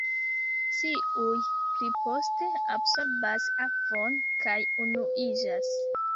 Tiuj pliposte absorbas akvon kaj unuiĝas.